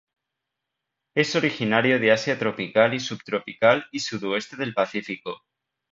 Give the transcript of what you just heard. Es originario de Asia tropical y subtropical y sudoeste del Pacífico.